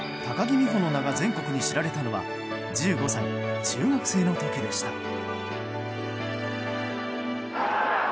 高木美帆の名が全国に知られたのは１５歳、中学生の時でした。